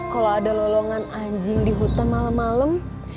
kalau ada lolongan anjing di hutan malam malam